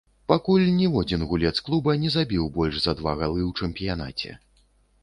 Пакуль ніводзін гулец клуба не забіў больш за два галы ў чэмпіянаце.